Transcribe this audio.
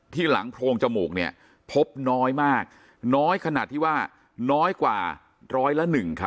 หลังโพรงจมูกเนี่ยพบน้อยมากน้อยขนาดที่ว่าน้อยกว่าร้อยละ๑ครับ